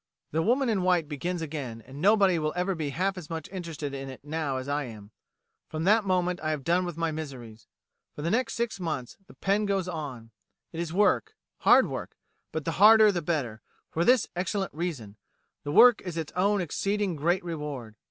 'The Woman in White' begins again, and nobody will ever be half as much interested in it now as I am. From that moment I have done with my miseries. For the next six months the pen goes on. It is work, hard work; but the harder the better, for this excellent reason: the work is its own exceeding great reward.